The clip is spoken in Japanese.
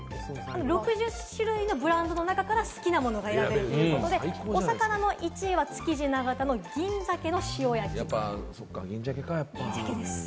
６０のブランドの中から好きなものが選べるということで、お魚の１位は築地なが田の銀鮭塩焼。